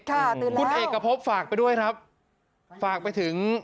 ตื่นแล้วคุณเอกพบฝากไปด้วยครับฝากไปถึง